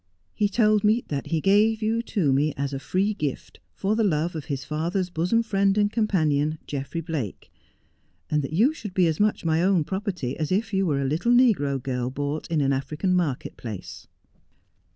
He told me that he gave you to me as a free gift, for the love of his father's bosom friend and companion, Geoffrey Blake, and that you should be as much my own property as if you were a little negro girl bought in an African market place.'